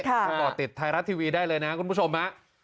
ก็ก่อติดไทยรัฐทีวีได้เลยนะคุณผู้ชม